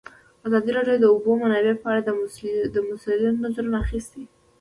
ازادي راډیو د د اوبو منابع په اړه د مسؤلینو نظرونه اخیستي.